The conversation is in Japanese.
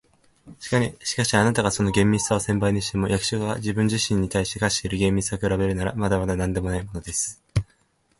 「しかし、あなたがその厳密さを千倍にしても、役所が自分自身に対して課している厳密さに比べるなら、まだまだなんでもないものです。